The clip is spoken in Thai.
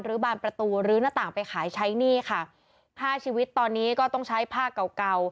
บานประตูลื้อหน้าต่างไปขายใช้หนี้ค่ะห้าชีวิตตอนนี้ก็ต้องใช้ผ้าเก่าเก่า